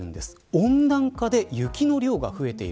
温暖化で雪の量が増えている。